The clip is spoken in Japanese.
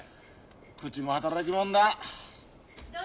口も働きもんだ。